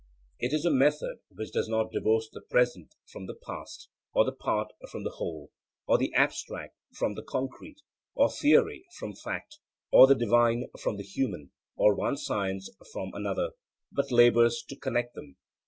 It is a method which does not divorce the present from the past, or the part from the whole, or the abstract from the concrete, or theory from fact, or the divine from the human, or one science from another, but labours to connect them.